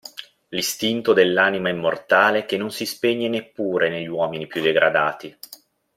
L'istinto dell'anima immortale che non si spegne neppure negli uomini più degradati.